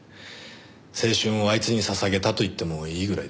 青春をあいつに捧げたと言ってもいいぐらいです。